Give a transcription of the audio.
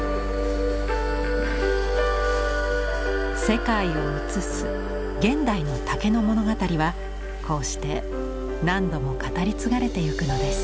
世界を映す現代の竹の物語はこうして何度も語り継がれていくのです。